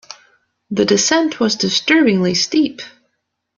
The descent was disturbingly steep.